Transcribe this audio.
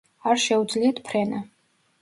არ შეუძლიათ ფრენა.